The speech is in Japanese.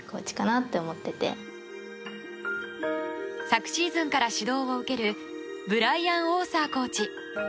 昨シーズンから指導を受けるブライアン・オーサーコーチ。